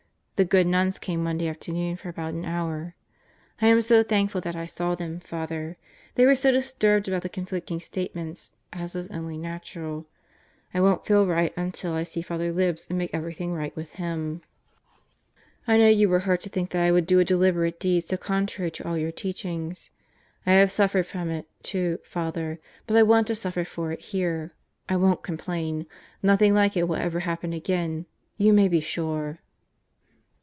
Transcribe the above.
The good nuns came Monday afternoon for about an hour. I am so thankful that I saw them, Father. They were so disturbed about the con flicting statements as was only natural. I won't feel right until I see Father Libs and make everything right with him. 182 God Goes to Murderer's Roto ... I know you were hurt to think that I would do a deliberate deed so contrary to all your teachings. I have suffered from it, too, Father. But I want to suffer for it here. I won't complain. Nothing like it will ever happen again, you may be sure.